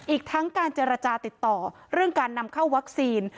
อีกทั้งการเจรจาติดต่อเรื่องการนำเข้าวัคซีน